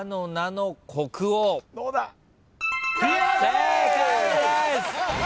正解です！